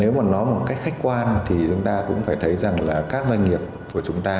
nếu mà nói một cách khách quan thì chúng ta cũng phải thấy rằng là các doanh nghiệp của chúng ta